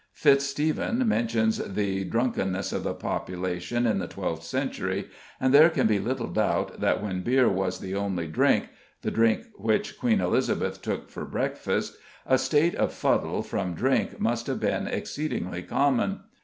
Fitz Stephen mentions the drunkenness of the population in the 12th century, and there can be little doubt that when beer was the only drink the drink which Queen Elizabeth took for breakfast a state of fuddle from drink must have been exceedingly common.